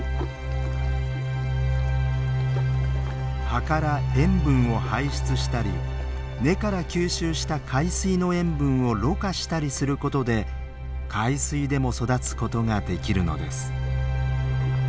葉から塩分を排出したり根から吸収した海水の塩分をろ過したりすることで海水でも育つことができるのです。